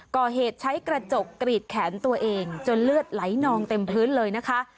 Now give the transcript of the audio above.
ก่อเหตุใช้กระจกกรีดแขนตัวเองจนเลือดไหลนองเต็มพื้นเลยนะคะ